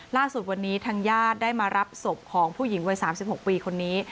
ล่าสุดวันนี้ทางญาติได้มารับศพของผู้หญิงวัย๓๖ปีคนนี้